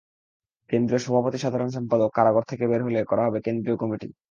কেন্দ্রীয় সভাপতি-সাধারণ সম্পাদক কারাগার থেকে বের হলে করা হবে কেন্দ্রীয় কমিটি।